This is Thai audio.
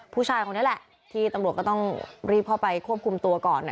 ผู้ชายคนนี้แหละที่ตำรวจก็ต้องรีบเข้าไปควบคุมตัวก่อน